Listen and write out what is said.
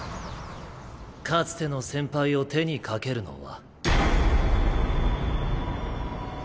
かつての先輩を手に掛けるのは。